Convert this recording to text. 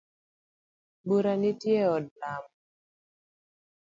Bura nitie e od lamo.